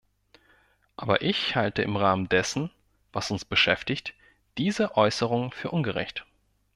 Aber ich halte im Rahmen dessen, was uns beschäftigt, diese Äußerungen für ungerecht.